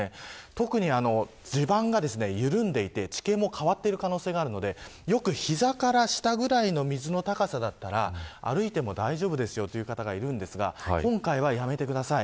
特に、地盤が緩んでいて地形も変わっている可能性があるので膝から下くらいの水の高さだったら歩いても大丈夫ですよという方がいるんですが今回はやめてください。